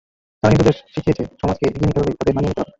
তারা হিন্দুদের শিখিয়েছে, সমাজকে এগিয়ে নিতে হলে তাদের মানিয়ে নিতে হবে।